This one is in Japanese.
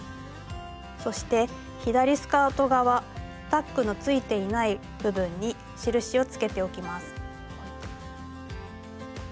そして左スカート側タックのついていない部分に印をつけておきます。